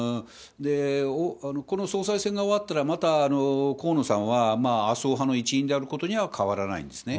この総裁選が終わったら、また河野さんは、麻生派の一員であることには変わりはないんですね。